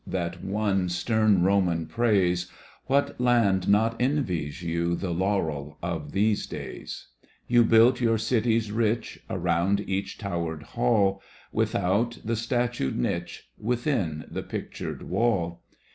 That won stem Roman praise, What land not envies you The laurel of these days ? You built your cities rich Around each towered hall, — Without, the statued niche, Withip, the pictured wall.